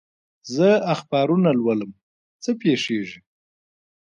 زه اخبارونه لولم، څه پېښېږي؟